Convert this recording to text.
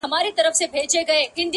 نه چي سهار کیږي له آذان سره به څه کوو -